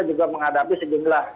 juga menghadapi sejumlah